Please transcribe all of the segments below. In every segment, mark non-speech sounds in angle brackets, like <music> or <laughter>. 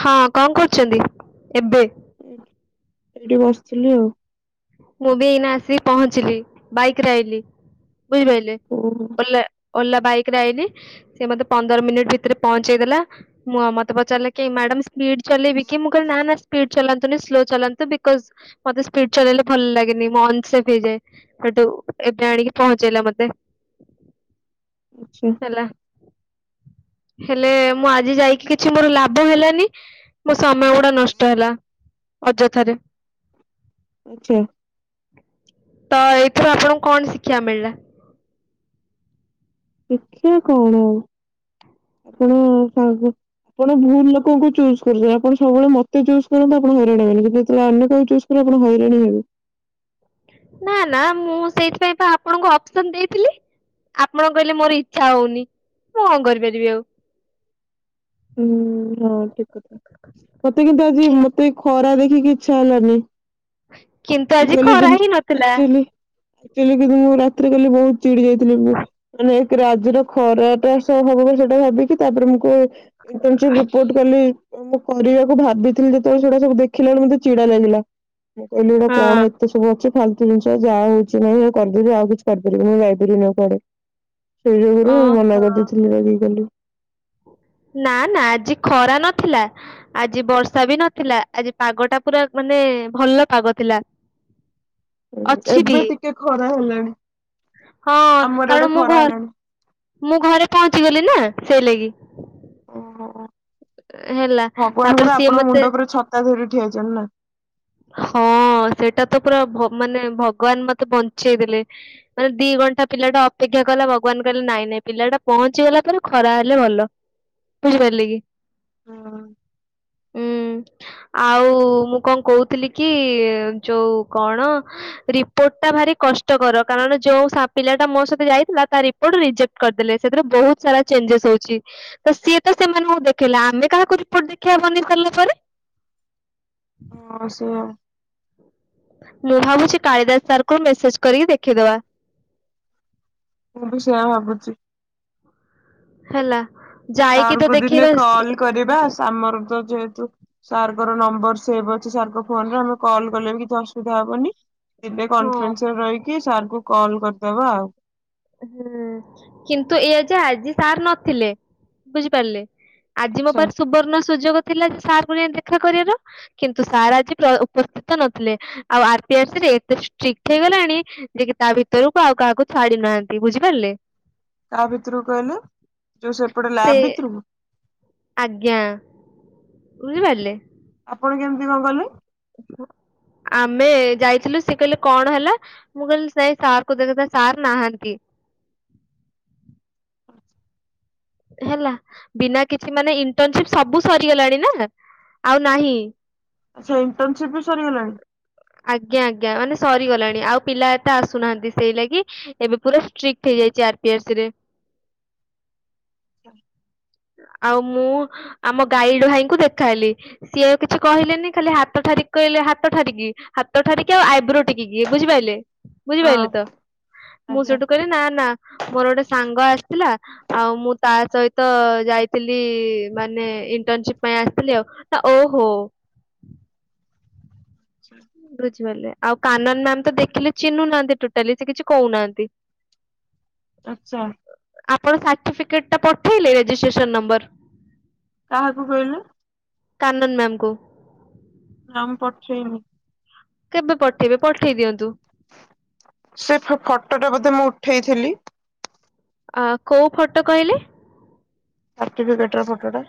ହଁ କଣ କରୁଛନ୍ତି ଏବେ? ଏଇଠି ବସିଥିଲି ଆଉ। ମୁଁ ବି ଏଇନା ଆସିକି ପହଞ୍ଚିଲି ବାଇକିରେ ଆଇଲିି ବୁଝିପାରିଲେ? ଓହୋ। ଓଲା ବାଇକି ରେ ଆଇନି ସେି ମତେ ପନ୍ଦର ମିନିଟ୍ ଭିତରେ ପହଞ୍ଚେଇ ଦେଲା। ମୁଁ ଆ ମତେ ପଚାରିଲେ କି ମ୍ୟାଡାମ ସ୍ପିଡ ଚଲେଇବି କି ମୁଁ କହିଲି ନା ନା ସ୍ପିଡ ଚଲାନ୍ତୁନି ସ୍ଲୋ ଚଲାନ୍ତୁ ବିକଜ ମତେ ସ୍ପୀ୍ ଚଲେଇଲେ ଭଲ ଲାଗେନି ମୁଁ ଅନଣ ନିଶ୍ୱଶି ହେଇଯାଏ ହେଠୁ ଏବେ ଆଣିକି ପହଞ୍ଚେଇଲା ମତେ। ଆଚ୍ଛା। ହେଲେ ମୁଁ ଆଜି ଯାଇକି କିଛି ମୋର ଲାଭ ହେଲାନି? ମୋ ସମୟ ଗୁଡା ନଷ୍ଟ ହେଲା ଅଯଥାରେ। ଆଛା। ତ ଏଥିରୁ ଆପଣଙ୍କୁ କଣ ଶିକ୍ଷା ମିଳିଲା? ଶିକ୍ଷା କଣ ଆଉ ଆପଣ ସାଗ ଆପଣ ଭୁଲ ଲୋକଙ୍କୁ ଚୁଜ୍ କରୁଛନ୍ତି ଆପଣ ସବୁବେଳେ ମତେ ଚୁଜ କରନ୍ତୁ ଆପଣ ହଇରାଣ ହେବେନି କିନ୍ତୁ ଅନ୍ୟ କାହାକୁ ଚୁଜ ଆପଣ ହଇରାଣ ହେବେ। ନା ନା ମୁଁ ସେଇଥିପାଇଁ ପା ଆପଣଙ୍କୁ ଅପସନ ଦେଇଥିଲି। ଆପଣ କହିଲେ ମୋର ଇଚ୍ଛା ହଉନି ମୁଁ କଣ କରିପାରିବି ଆଉ। ହୁଁ ହଁ ଠିକ କଥା। ମତେ କିନ୍ତୁ ଆଜି ମତେ ଖରା ଦେଖିକି ଇଚ୍ଛା ହେଲାନି। କିନ୍ତୁ ମୁ ଆଜି କଲି ଯେ ଖରା ମୁ ହିଁ ନଥିଲା ଆକଚୁଲି ଆକ୍ଚୁଲି କିନ୍ତୁ ମୁଁ ରାତିରେ କାଲି ବହୁତ ଚିଡି ଯାଇଥିଲି ମୁଁ ମାନେ ଏକରେ ଆଜିର ଖରା ଟା ହବ ସେଇଟା ଭାବିକି ତାପରେ ମୁଁ କୋ ପହଁଚିକି ରିପୋର୍ଟ କ ମୁଁ କରିବାକୁ ଭାବିଥିଲି। ତ ସେଡ଼ା ସବୁ ଦେଖିଲା ବେଳକୁ ମତେ ଚିଡା ଲାଗିଲା। ମୁଁ କହିଲି ଏଟା କଣ ହଁ। ଏତେ ସବୁ ଅଛି ଫାଲତୁ ଜିନିଷ ଯାହା ହଉଛି ନାଇଁ କରିଦେବି ଆଉ କିଛି କରିପାରିବିନି ଯାଇପାରିବିନି କୁଆଡେ ସେଇ ଯୋଗୁରୁ ମନା ଓହୋ କରିଦେଇଥିଲି ରାଗିକି। ନା ନା ଆଜି ଖରା ନଥିଲା। ଆଜି ବର୍ଷା ବି ନଥିଲା ଆଜି ପାଗ ଟା ପୁରା ମାନେ ଭଲ ପାଗ ଥିଲା। <inaudible> ଅଛି ବି ଏବେ ଟିକେ ଖରା ହେଲାଣି ହଁ ଆମର କାରଣ ଇଆଡେ ମୁଁ ଘ ଖରା ହେଲାଣି। ମୁଁ ଘରେ ପହଞ୍ଚି ଗଲି ନା ସେଇ ଲାଗି ଓ ହେଲା ତାପରେ ଭଗବାନଙ୍କର ସିଏ ଆପଣଙ୍କ ମତେ ମୁଣ୍ଡ ଉପରେ ଛତ ତା ଧରି ଠିଆ ହେଇଛନ୍ତି ନା। ହଁ ସେଇଟା ତ ପୁରା ମାନେ ଭଗବାନ ମତେ ବଞ୍ଚେଇ ଦେଲେ। ମାନେ ଦି ଘଣ୍ଟା ପିଲାଟା ଅପେକ୍ଷା କଲା ଭଗବାନ କହିଲେ ନାଇଁ ନାଇଁ ପିଲାଟା ପହଞ୍ଚିଗଲା ପରେ ଖରା ହେଲେ ଭଲ। ବୁଝିପାରିଲେ କି? ହୁଁ ଆଉ ମୁଁ କଣ କହୁ ଥିଲ କି ଯୋଉ କଣ ରିପୋର୍ଟଟା ଭାରି କଷ୍ଟକର କାରଣ ଯୋଉ ସାଆ ପିଲା ଟା ମୋ ସହିତ ଯାଇଥିଲା ତା ରିପୋର୍ଟ ରିଜେକ୍ଟ କରିଦେଲେ ସେଥିରେ ବହୁତ ସାରା ଚେଞ୍ଜେସ ହଉଛି। ତ ସିଏ ତ ସେମାନଙ୍କୁ ଦେଖେଇଲା ଆମେ କାହାକୁ ରିପୋର୍ଟ ଦେଖେଇବା ବନେଇ ସାରିଲା ପରେ। ହଁ ସେଇଆ। ମୁଁ ଭାବୁଛି କାଳିଦାସ ସାରଙ୍କୁ ମେସେଜ କରିକି ଦେଖେଇଦବା। ମୁଁ ବି ସେୟା ଭାବୁଛି। ହେଲା। ଯାଇକି ତ ସାରଙ୍କୁ ଦିନେ ଦେଖେଇବା ସ କଲ କରିବା ଆମର ତ ଯେହେତୁ ସାରଙ୍କର ନମ୍ବର ସେଭ ଅଛି ସାରଙ୍କର ଫୋନରେ ଆମେ କଲ୍ କଲେ ବି କିଛି ଅସୁବିଧା ହବନି। ଦିନେ ହଁ କନଫରେନ୍ସରେ ରହିକି ସାରଙ୍କୁ କଲ୍ କରିଦବା ଆଉ। ହୁଁ କିନ୍ତୁ ଏଇଆ ଯେ ଆଜି ସାର୍ ନଥିଲେ ବୁଝିପାରିଲେ। ଆଜି ମୋ ଆଚ୍ଛା ପାଖରେ ସୁବର୍ଣ୍ଣ ସୁଯୋଗ ଥିଲା ଯେ ସାରଙ୍କୁ ଯାଇ ଦେଖା କରିବାର। କିନ୍ତୁ ସାର୍ ଆଜି ପ୍ର ଉପସ୍ଥିତ ନଥିଲେ ଆଉ ଆର ପି ଆରସି ରେ ଏତେ ଷ୍ଟ୍ରିକ୍ଟ ହେଇଗଲାଣି ଯେ କି ତା ଭିତରକୁ ଆଉ କାହାକୁ ଛାଡି ନାହାନ୍ତି ବୁଝିପାରିଲେ। କାହା ଭିତରୁକୁ କହିଲେ ଯୋଉ ସେପଟ ସେ ଲ୍ୟାବ ଭିତରକୁ? ଆଜ୍ଞା ବୁଝିପାରିଲେ? ଆପଣ କେମିତି କଣ କଲେ? ଆମେ ଯାଇଥିଲୁ ସେ କହିଲେ କଣ ହେଲା? ମୁ କହିଲି ନାଇ ସାରଙ୍କୁ ଦେଖା ନାଇଁ ସାର୍ ନାହାନ୍ତି। ହେଲା ବିନା କିଛି ମାନେ ଇଣ୍ଟରନସିପ ସବୁ ସରିଗଲାଣି ନା ଆଉ ନାହିଁ। ଆଚ୍ଛା ଇଣ୍ଟନସିପ ବି ସରିଗଲାଣି। ଆଜ୍ଞା ଆଜ୍ଞା ମାନେ ସରିଗଲାଣି ଆଉ ପିଲା ଏତେ ଆସୁନାହାନ୍ତି ସେଇ ଲାଗି ଏବେ ପୁରା ଷ୍ଟ୍ରିକ୍ଟ ହେଇଯାଇଛି ଆର ପି ଆରସି ରେ। <inaudible> ଆଉ ମୁଁ ଆମ ଗାଇଡ ଭାଇଙ୍କୁ ଦେଖାହେଲି। ସିଏ ଆଉ କିଛି କହିଲେନି ଖାଲି ହାତ ଠାରି କହିଲେ ହାତ ଠାରିକି ହାତ ଠାରିକି ଆଉ ଆଇବ୍ରୋ ଟେକିକି ବୁଝିପାରିଲେ ହଁ ବୁଝିପାଇଲେ ତ ମୁଁ ଆଜ୍ଞା। ସେଠୁ କହିଲି ନା ନା ମୋର ଗୋଟେ ସାଙ୍ଗ ଆସିଥିଲା ଆଉ ମୁଁ ତା ସହିତ ଯାଇଥିଲି ମାନେ ଇଣ୍ଟର୍ନସିପ ପାଇଁ ଆସିଥିଲି ଆଉ। ନା ଓହୋ। ବୁଝିପାରିଲେ ଆଉ କାନନ ମ୍ୟାମ ତ ଦେଖିଲେ ଚିହ୍ନୁନାହାନ୍ତି ଟୋଟାଲି ସେ କିଛି କହୁନାହାନ୍ତି। ଆଛା। ଆପଣ ସାର୍ଟିଫିକେଟ ଟା ପଠେଇଲେ ରେଜିଷ୍ଟ୍ରେସନ ନମ୍ବର? କାହାକୁ କହିଲ? କାନନ୍ ମ୍ୟାମକୁୁ। ନା ମୁଁ ପଠେଇନି। କେବେ ପଠେଇବେ ପଠେଇ ଦିଅନ୍ତୁ। ସେ ଫ ଫଟୋଟା ବୋଧେ ମୁଁ ଉଠେଇଥିଲି? ଆ କୋଉ ଫଟୋ କହିଲେ? ସର୍ଟିଫିକେଟ ର ଫଟୋଟା।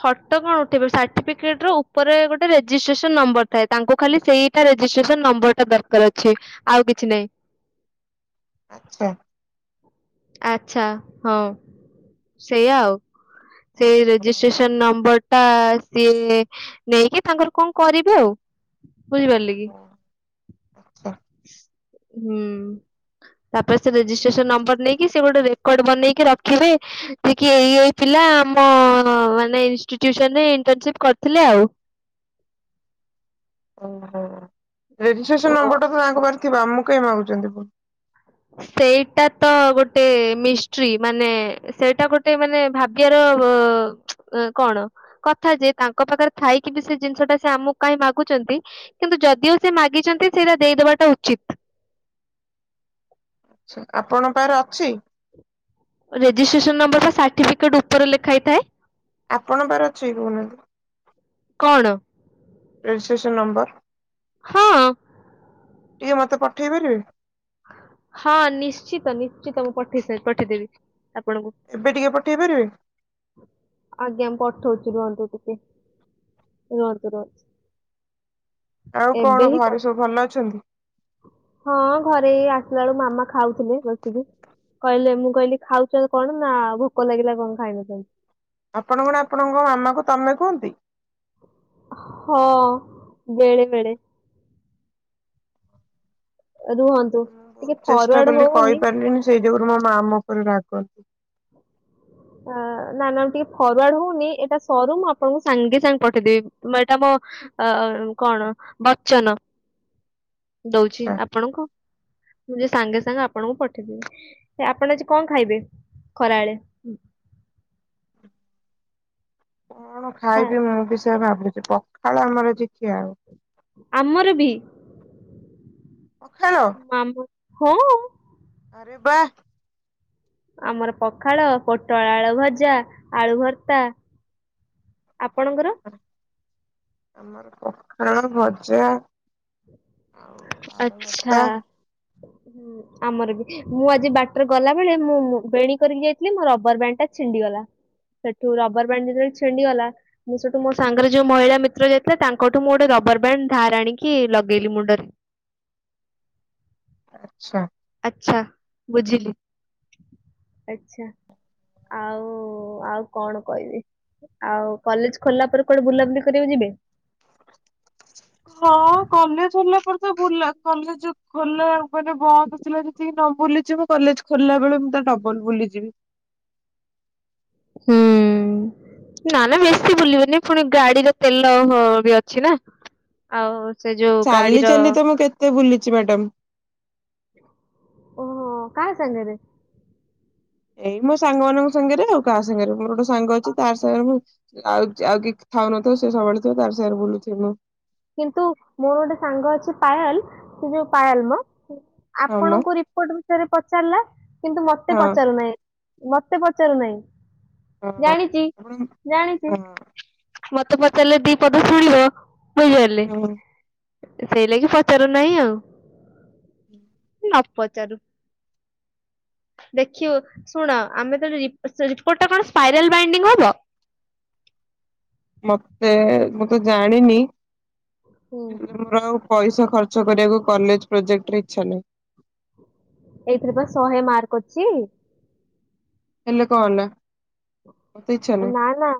ଫଟୋ କଣ ଉଠେଇବେ ସାର୍ଟିଫିକେଟ ର ଉପରେ ଗୋଟେ ରେଜିଷ୍ଟ୍ରେସନ ନମ୍ବର ଥାଏ ତାଙ୍କୁ ଖାଲି ସେଇ ତା ରେଜିଷ୍ଟ୍ରେସନ ନମ୍ବର ଟା ଦରକାର ଅଛି ଆଉ କିଛି ନହିଁ। ଆଛା। ଆଛା ହଁ ସେଇଆା ଆଉ ସେ ରେଜିଷ୍ଟ୍ରେସନ ନମ୍ବର ଟା ସିଏ ନେଇକି ତାଙ୍କର କଣ କରିବେ ଆଉ। ବୁଝିପାରିଲେ କି? ହୁଁ ତାପରେ ସେ ରେଜିଷ୍ଟ୍ରେସନ ନମ୍ବର ନେଇକି ସେ ଗୋଟେ ରେ କର୍ଡ ବନେଇକି ରଖିବେ ଯେ କି ଏଇ ଏଇ ପିଲା ଆମ ମାନେ ଇଷ୍ଟିଟ୍ୟୁସନ୍ ରେ ଇଣ୍ଟର୍ନସିପ୍ କରିଥିଲେ ଆଉ। ଓହୋ ରେଜିଷ୍ଟ୍ରେସନ ଓ ନମ୍ବର ଟା ତ ତାଙ୍କ ପାଖରେ ଥିବ ଆମକୁ କାହିଁ ମାଗୁଛନ୍ତିୁ ପୁଣି। ସେଇଟା ତ ଗୋଟେ ମିଷ୍ଟ୍ରି ମାନେ ସେଇଟା ଗୋଟେ ମାନେ ଭା ଗ୍ୟର କଣ? କଥା ଯେ ତାଙ୍କ ପାଖରେ ଥାଇକି ବି ସେ ଜିନିଷ ଟା ସେ ଆମକୁ କାହିଁ ମାଗୁଛନ୍ତି? କିନ୍ତୁ ଯଦି ଓ ସେ ମାଗିଛନ୍ତି ସେଇଟା ଦେଇଦବାଟା ଉଚିତ୍। ଛା ଆପଣଙ୍କ ପାଖରେ ଅଛି? ରେଜିଷ୍ଟ୍ରେସନ ନମ୍ବର ବା ସର୍ଟିଫିକେଟ ଉପରେ ଲେଖା ହେଇଥାଏ। ଆପଣଙ୍କ ପାଖରେ ଅଛି କି କହୁନାହାନ୍ତି? କଣ? Registration number. ହଁ। ଟିକେ ମତେ ପଠେଇ ପାରିବେ। ହଁ ନିଶ୍ଚିତ ନିଶ୍ଚିତ ମୁଁ ପଠେଇ ସା ପଠେଇଦେବି ଆପଣଙ୍କୁ। ଏବେ ଟିକେ ପଠେଇ ପାରିବେ? ଆଜ୍ଞା ପଠଉଛି ରୁହନ୍ତୁ ଟିକେ। ରୁହନ୍ତୁ ରୁହନ୍ତୁ। ଆଉ ଏବେ କଣ ହିଁ ଘରେ ପଠ ସବୁ ଭଲ ଅଛନ୍ତି? ହଁ ଘରେ ଆସିଲା ବେଳୁ ମାମା ଖାଉଥିଲେ ବସିକି। କହିଲେ ମୁଁ କହିଲି ଖାଉଛ କଣ ନା ଭୋକ ଲାଗିଲା କଣ ଖାଇନଥାନ୍ତି। ଆପଣ କଣ ଆପଣଙ୍କ ମାମା କୁ ତମେ କୁହନ୍ତି? ହଁ ବେଳେ ବେଳେ। ରୁହନ୍ତୁ ମୁଁ ବହୁତ ଟିକେ ଚେଷ୍ଟା ଫରୱାର୍ଡ କଲି ହଉନି। କହିପାରିଲିନି ସେଇ ଯୋଗୁରୁ ମୋ ମା ମୋ ଉପରେ ରାଗନ୍ତି। ଆ ନା ନା ଟିକେ ଫରୱାର୍ଡ ହଉନି ଏଇଟା ସରୁ ମୁଁ ଆପଣଙ୍କୁ ସାଙ୍ଗେ ସଙ୍ଗେ ପଠେଇଦେବି ଏଇଟା ମ ଅ ଅ କଣ ବଚ୍ଚନ। ଦଉଛି ଆଚ୍ଛା ଆପଣଙ୍କୁ? ମୁଁ ଯେ ସାଙ୍ଗେ ସାଙ୍ଗେ ଆପଣଙ୍କୁ ପଠେଇଦେବି ଯେ ଆପଣ ଆଜି କଣ ଖାଇବେ ଖରାଏଳେ? କଣ ଆ, ଖାଇବି ମୁଁ ବି ସେୟା ଭାବୁଛି ପଖାଳ ଆମର ଆଜି ଖିଆହବ। ଆମର ବି। ପଖାଳ। ନାମ ହଁଅ। ଆରେ ବାଃ। ଆମର ପଖାଳ ପୋଟଳ ଆଳୁ ଭଜା ଆଳୁ ଭର୍ତ୍ତା ଆପଣଙ୍କର? ଆମର ପଖାଳ ଭଜା ଆଉ ଆଳୁ ଆଛା ଭର୍ତ୍ତା ହୁଁ ଆମର ବି। ମୁଁ ଆଜି ବାଟରେ ଗଲା ବେଳେ ମୁଁ ବେଣ କରିକି ଯାଇଥିଲି ମୋ ରବର ବ୍ୟାଣ୍ଡ ଟା ଛିଣ୍ଡିଗଲା। ସେଠୁ ରବର ବାଣ୍ଡ ଯେତେଳେ ଛିଣ୍ଡିଗଲା ମୁଁ ସେଠୁ ମୋ ସାଙ୍ଗରେ ଯୋଉ ମହିଳା ମିତ୍ର ଯାଇଥିଲା ତାଙ୍କଠୁ ମୁଁ ଗୋଟେ ରବର ବ୍ୟାଣ୍ଡ ଧାର ଆଣିକି ଲଗେଇଲି ମୁଣ୍ଡରେ। ଆଛା। ଆଛା ବୁଝିଲି ଆଛା। ଆଉ ଆଉ କଣ କହିବି। ଆଉ କଲେଜ ଖୋଲିଲା ପରେ କୁଆଡେ ବୁଲାବୁଲି କରିବାକୁ ଯିବେ? ହଁ କଲେଜ ହେଲା ପରେ ତ ବୁଲା କଲେଜ ଖୋଲା ମାନେ ବନ୍ଦ ଥିଲା ଯେତିକି ନ ବୁଲିଛିି ମୁଁ କଲେଜ ଖୋଲା ବେଳେ ମୁଁ ତା ଡବଲ ବୁଲିଯିବି। ହୁଁ। ନା ନା ବେଶୀ ବୁଲିବନି ଫୁଣି ଗାଡିର ତେଲ ବି ଅଛି ନା। ଆଉ ସେ ଯୋଉ ଚାଲି ଗାଡିର ଚାଲି ତ ମୁଁ କେତେ ବୁଲିଛି ମ୍ୟାଡ଼ାମ। ଓହୋ କାହା ସାଙ୍ଗେରେ? ଏଇ ମୋ ସାଙ୍ଗ ମାନଙ୍କ ସାଙ୍ଗେରେ ଆଉ କାହା ସାଙ୍ଗେରେ ମୋର ଗୋଟେ ସାଙ୍ଗ ଅଛି ତାରି ସାଙ୍ଗେରେ ମୁଁ ଆଉ ଆଉ କି ଥାଉ ନଥାଉ ସେ ସାଙ୍ଗଟା ଥାଉ ତାରି ସାଙ୍ଗରେ ବୁଲଥିବି ମୁଁ। କିନ୍ତୁ ମୋର ଗୋଟେ ସାଙ୍ଗ ଅଛି ପାାୟଲ ସେ ଯୋଉ ପାାୟଲ ମ? ହଁ ମ ଆପଣଙ୍କୁ ରିପୋର୍ଟ ବିଷୟରେ ପଚାରିଲା କିନ୍ତୁ ମତେ ହଁ ପଚାରୁ ନାଇଁ। ମତେ ପଚାରୁ ନାଇଁ ହଁ। ଜାଣିଛି ଆପଣ ଜାଣିଛି। ହଁ ମତେ ପଚାରିଲେ ଦି ପଦ ଶୁଣିବ ବୁଝିପାରିଲେ? ହଁ ସେଇ ଲାଗି ପଚାରୁନାଇଁ ଆଉ। ହୁଁ ନ ପଚାରୁ। ଦେଖିବ ଶୁଣ ଆମେ ତ ରିପୋର୍ଟ ଟା କଣ ସ୍ପାଇରାଲ ବାଇଣ୍ଡିଙ୍ଗ ହବ? ମତେ ମୁଁ ତ ଜାଣିନି ହୁଁ। ହେଲେ ମୋର ଆଉ ପଇସା ଖର୍ଚ୍ଚ କରିବାକୁ କଲେଜ ପ୍ରୋଜେକ୍ଟରେ ଇଛା ନାହିଁ। ଏଇଥିରେ ପା ଶହେ ମାର୍କ ଅଛି? ହେଲେ କଣ ହେଲା? ମତେ ଇଚ୍ଛା ଏ ନାହିଁ ନା ନା।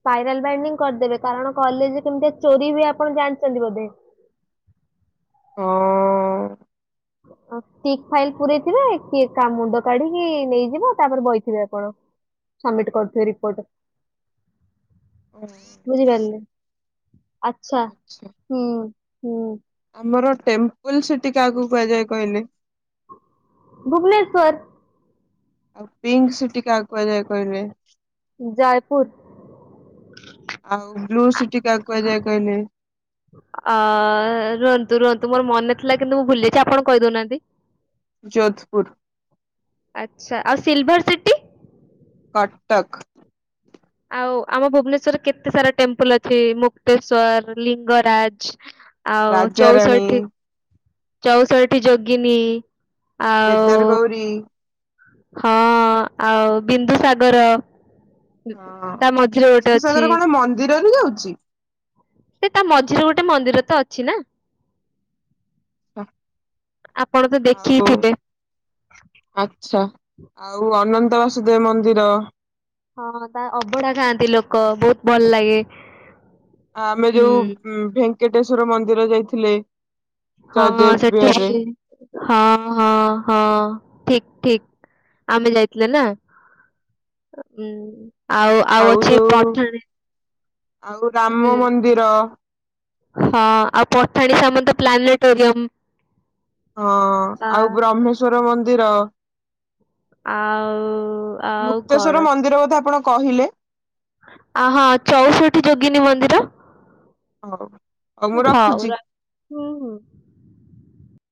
ସ୍ପାଇରାଲ ବାଇଣ୍ଡିଙ୍ଗ କରିଦେବେ କାରଣ କଲେଜରେ କେମିତିଆ ଚୋରି ହୁଏ ଆପଣ ଜାଣିଛନ୍ତି ବୋଧେ। ହଁ ଅଁ। ଠିକ ଫାଇଲ ପୁରେଇଥିବେ କିଏ କା ମୁଣ୍ଡ କାଢିକି ନେଇଯିବ ତାପରେ ବଇଥିବେ ଆପଣ। ସବମିଟ କରୁଥିବେ ରିପୋର୍ଟ। ଓ। <inaudible> ବୁଝିପାରିଲେ ଆଚ୍ଛା ଆଛା ହୁଁ ହୁଁ। ଆମର ଟେମ୍ପଲ ସିଟି କାଆକୁ କୁହାଯାଏ କହିଲେ? ଭୁବନେଶ୍ୱର। ଆଉ ପିଙ୍କ ସିଟି କାହାକୁ କୁହାଯାଏ କହିବେ? ଜାୟପୁର। ଆଉ ବ୍ଲୁ ସିଟି କାକୁ କୁହାଯାଏ କହିଲେ। ଅ ରୁହନ୍ତୁ ରୁହନ୍ତୁ ମୋର ମନେ ଥିଲା କିନ୍ତୁ ମୁଁ ଭୁଲିଯାଇଛି ଆପଣ କହିଦଉନାହାନ୍ତି। ଯୋଧ୍ପୁର୍। ଆଚ୍ଛା ଆଉ ସିଲ୍ଭର ସିଟି। କଟକ୍। ଆଉ ଆମ ଭୁବନେଶ୍ଵରରେ କେତେ ସାରା ଟେମ୍ପଲ ଅଛି ମୁକ୍ତେଶ୍ଵର ଲିଙ୍ଗରାଜ୍। ଆଉ ରାଜାରାଣୀ, ଚୋଉଷଠି ଚଉଷଠି ଯୋଗିନୀ। ଆଉ କେଦାର ଗୌରୀ। ହଁ ଆଉ ବିନ୍ଦୁସାଗର ହଁ ତା ମଝିରେ ଗୋଟେ ଅଛି। ବିନ୍ଦୁସାଗର କଣ ମନ୍ଦିରରେ ଯାଉଚି। ସେ ତା ମଝିରେ ଗୋଟେ ମନ୍ଦିର ତ ଅଛି ନା। ଅ ଆପଣ ତ ଆଉ। ଦେଖିଥିବେ ଆଚ୍ଛା ଆଉ ଅନନ୍ତ ବାସୁଦେବ ମନ୍ଦିର। ହଁ ତା ଅବଢା ଖାଆନ୍ତି ଲୋକ ବହୁତ୍ ଭଲ ଲାଗେ। ଆମେ ହୁଁ ଯୋଉ ଭେଙ୍କଟେଶ୍ଵର ମନ୍ଦିର ଯାଇଥିଲେ। ହଁ ଜୟଦେବ ସେଠି ବିହାରରେ ହଁ-ହଁ-ହଁ ଠିକ୍-ଠିକ୍। ଆମେ ଯାଇଥିଲଥିଲା ନା ହୁଁ। ଆଉ ଆଉ ଅଛି ପଠାଣି ହୁଁ। ନ୍ଦିର। ହଁ ଆଉ ପଠାଣି ସାମନ୍ତ ପ୍ଲାନେଟୋରିୟମ। ହଁ ଆ ଆଉ ବ୍ରହ୍ମେଶ୍ଵର ମନ୍ଦିର। ଆଉ ଆଉ ମୁକ୍ତେଶ୍ଵର କଣ। ମନ୍ଦିର କଥା ଆପଣ କହିଲେ ଆ ହଁ ଚଉଷଠି ଯୋଗିନୀ ମନ୍ଦିର। ହଉ ହଉ ମୁଁ ହଉ ରଖୁଛି। ର ହୁଁ ଉଁ।